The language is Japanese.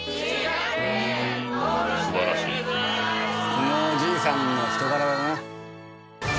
このおじいさんの人柄だな。